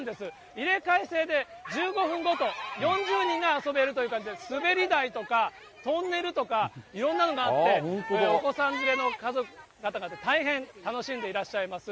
入れ替え制で１５分ごと、４０人が遊べるという感じで、滑り台とかトンネルとか、いろんなのがあって、お子さん連れの方が大変楽しんでいらっしゃいます。